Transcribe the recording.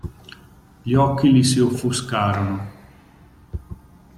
Gli occhi gli si offuscarono.